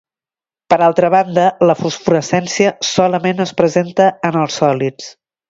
Per altra banda, la fosforescència solament es presenta en els sòlids.